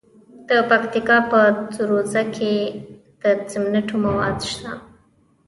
د پکتیکا په سروضه کې د سمنټو مواد شته.